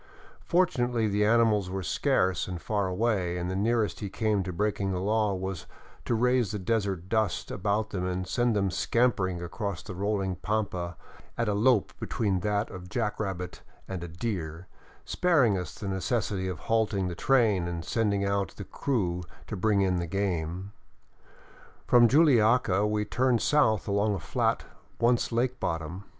Fortunately the animals were scarce and far away, and the near est he came to breaking the law was to raise the desert dust about them and send them scampering across the rolling pampa at a lope between that of jack rabbit and a deer, sparing us the necessity of halting the train and sending out the crew to bring in the game. From Juliaca we turned south along a flat once lake bottom.